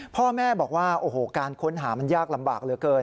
พ่อแม่บอกว่าโอ้โหการค้นหามันยากลำบากเหลือเกิน